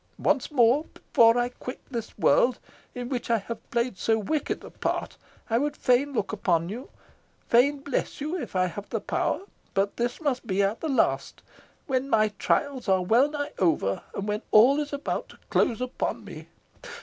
Once more before I quit this world, in which I have played so wicked a part, I would fain look upon you fain bless you, if I have the power but this must be at the last, when my trials are wellnigh over, and when all is about to close upon me!"